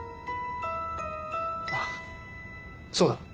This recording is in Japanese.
あっそうだ。